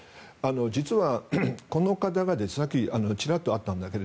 実はこの方がさっきちらっとあったんですが